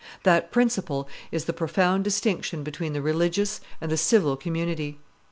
That principle is the profound distinction between the religious and the civil community.